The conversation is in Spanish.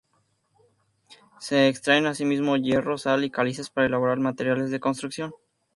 Se extraen asimismo hierro, sal y calizas para elaborar materiales de construcción.